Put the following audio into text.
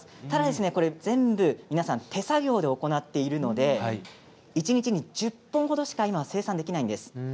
ただ全部、皆さん手作業で行っているので一日に１０個ほどしか生産できないんです。